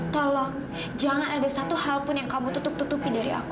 tolong jangan ada satu hal pun yang kamu tutup tutupi dari aku